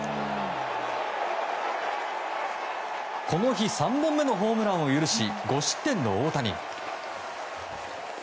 この日、３本目のホームランを許し５失点の大谷。